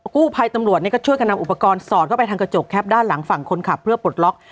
กู้ภัยตำรวจก็ช่วยกันนำอุปกรณ์สอดเข้าไปทางกระจกแคปด้านหลังฝั่งคนขับเพื่อปลดล็อก